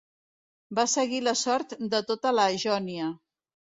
Va seguir la sort de tota la Jònia.